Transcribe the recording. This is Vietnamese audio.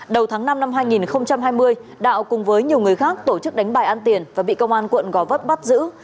đầu tháng năm năm hai nghìn hai mươi đạo cùng với nhiều người khác tổ chức đánh bài ăn tiền và bị công an quận gò vấp bắt giữ